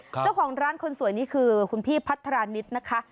เจ้าของร้านคนสวยนี่คือคุณพี่พัทรานิดนะคะ